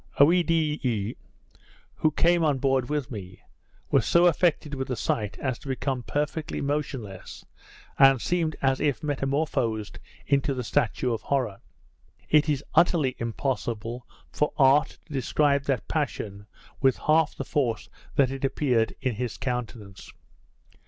Oedidee (who came on board with me) was so affected with the sight as to become perfectly motionless, and seemed as if metamorphosed into the statue of horror. It is utterly impossible for art to describe that passion with half the force that it appeared in his countenance.